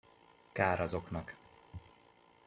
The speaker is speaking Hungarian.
Kár azoknak!